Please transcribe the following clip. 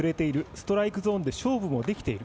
ストライクゾーンで勝負もできている。